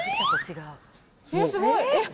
えっ、すごい！えっ？